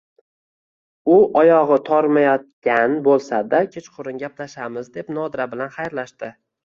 U oyog`i tormayotgan bo`lsa-da, kechqurun gaplashamiz, deb Nodira bilan xayrlashdi